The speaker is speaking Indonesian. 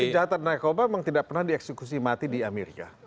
kejahatan narkoba memang tidak pernah dieksekusi mati di amerika